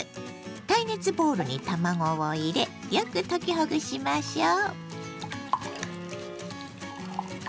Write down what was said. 耐熱ボウルに卵を入れよく溶きほぐしましょう。